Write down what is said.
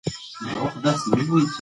هلک په خندا کې انا ته وویل نه.